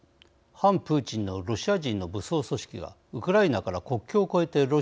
反プーチンのロシア人の武装組織がウクライナから国境を越えてロシアに侵入。